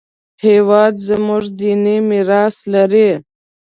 هېواد زموږ دیني میراث لري